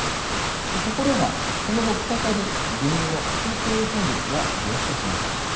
ところが、その後再び原油の中東依存率は上昇します。